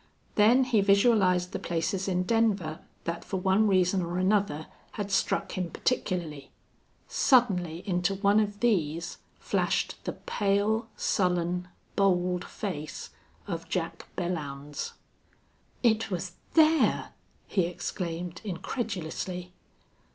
Then he visualized the places in Denver that for one reason or another had struck him particularly. Suddenly into one of these flashed the pale, sullen, bold face of Jack Belllounds. "It was there!" he exclaimed, incredulously.